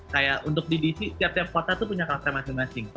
kayak untuk di dc tiap tiap kota tuh punya kluster masing masing